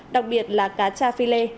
đặc biệt là cá tra phi lê